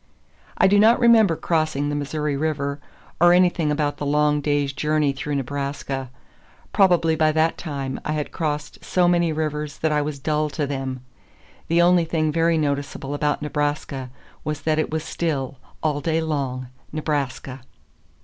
I do not remember crossing the Missouri River, or anything about the long day's journey through Nebraska. Probably by that time I had crossed so many rivers that I was dull to them. The only thing very noticeable about Nebraska was that it was still, all day long, Nebraska.